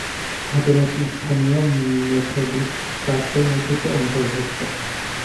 ঘটনাটি স্থানীয় মেথডিস্ট চার্চের নথিতে অন্তর্ভুক্ত।